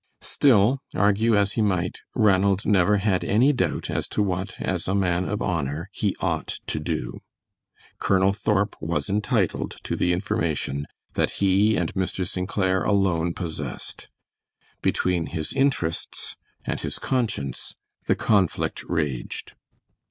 Still, argue as he might, Ranald never had any doubt as to what, as a man of honor, he ought to do. Colonel Thorp was entitled to the information that he and Mr. St. Clair alone possessed. Between his interests and his conscience the conflict raged.